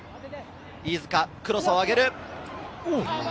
飯塚がクロスを上げる。